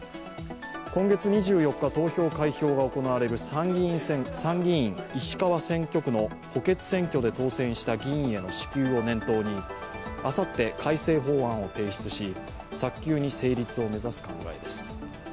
今月２４日投票・開票が行われる参議院石川選挙区の補欠選挙で当選した議員への支給を念頭にあさって、改正法案を提出し、早急に成立を目指す考えです。